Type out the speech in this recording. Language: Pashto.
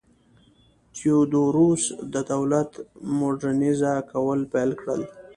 تیودوروس د دولت م وډرنیزه کول پیل کړل.